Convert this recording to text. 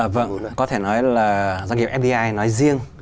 vâng có thể nói là doanh nghiệp fdi nói riêng